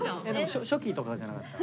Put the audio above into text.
書記とかじゃなかった？